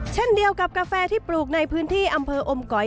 เช่นเดียวกับกาแฟที่ปลูกในพื้นที่อำเภออมก๋อย